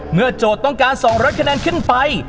โจทย์ต้องการ๒๐๐คะแนนขึ้นไป